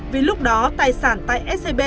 vì lúc đó tài sản tại scb